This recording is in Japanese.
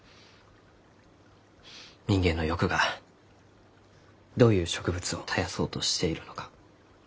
人間の欲がどういう植物を絶やそうとしているのか